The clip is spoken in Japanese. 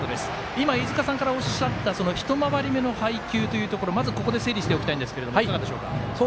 今、飯塚さんがおっしゃった１回り目の配球というところここで整理しておきたいんですがいかがでしょう？